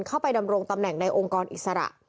เข้าไปดำรงตำแหน่งในองค์กรอิสระ